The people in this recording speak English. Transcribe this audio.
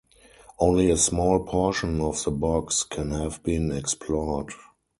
Only a small portion of the bogs can have been explored.